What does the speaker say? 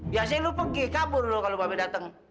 biasanya lo pergi kabur dulu kalo babe dateng